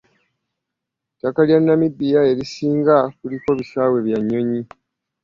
Ettaka lye Namibia erisinga kuliko bisaawe bya nyonyi.